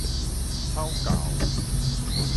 草猴